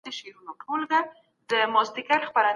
تاسي کله په ژوند کي سوله لیدلې ده؟